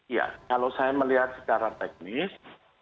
ya kalau saya melihat secara teknis